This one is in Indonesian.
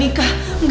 gak gak bang